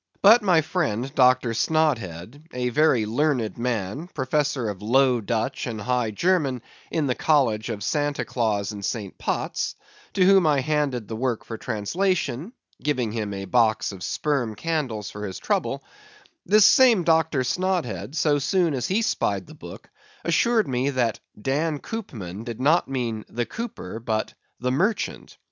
But my friend Dr. Snodhead, a very learned man, professor of Low Dutch and High German in the college of Santa Claus and St. Pott's, to whom I handed the work for translation, giving him a box of sperm candles for his trouble—this same Dr. Snodhead, so soon as he spied the book, assured me that "Dan Coopman" did not mean "The Cooper," but "The Merchant."